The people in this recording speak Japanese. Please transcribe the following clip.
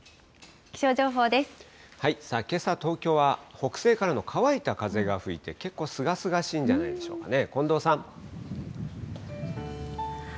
けさ東京は、北西からの乾いた風が吹いて、結構、すがすがしいんじゃないでしょうかね。